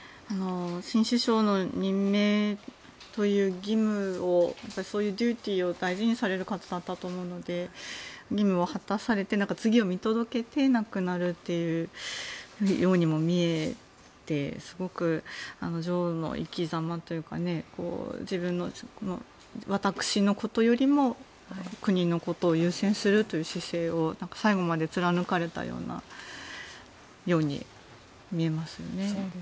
新首相の任命そうした義務というデューティーを大事にされる方だと思うので任務を果たされて、次を見届けて亡くなるというようにも見えてすごく女王の生きざまというか私のことよりも国のことを優先するという姿勢を最後まで貫かれたように見えますよね。